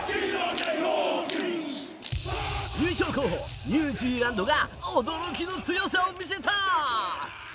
優勝候補、ニュージーランドが驚きの強さを見せた！